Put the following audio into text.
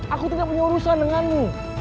aku tidak punya urusan denganmu